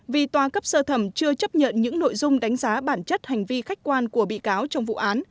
vì tòa cấp sơ thẩm chưa chấp nhận những nội dung đánh giá bản chất hành vi khách quan của bị cáo trong vụ án